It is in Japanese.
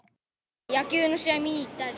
野球の試合見に行ったり。